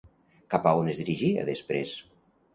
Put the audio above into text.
Cap on es dirigia després?